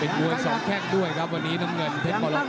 เป็นบ้วยสองแข้งด้วยครับวันนี้น้ำเงินเทพมะละกด